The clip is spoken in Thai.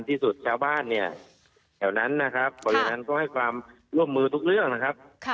แถวนั้นนะครับบริเวณนั้นก็ให้ความร่วมมือทุกเรื่องนะครับ